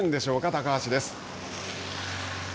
高橋です。